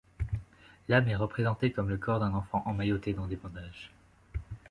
L'âme est représentée comme le corps d'un enfant emmailloté dans des bandages.